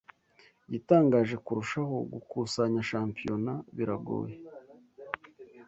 Igitangaje kurushaho gukusanya shampiyona biragoye